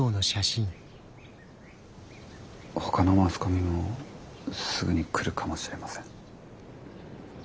ほかのマスコミもすぐに来るかもしれません。